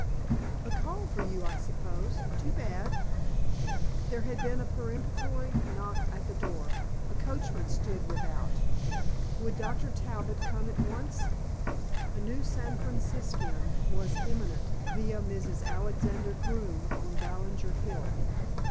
"A call for you, I suppose. Too bad." There had been a peremptory knock on the door. A coachman stood without. Would Dr. Talbot come at once? A new San Franciscan was imminent via Mrs. Alexander Groome on Ballinger Hill.